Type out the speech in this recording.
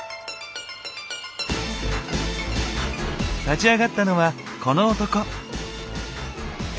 立ち上がったのはこの男。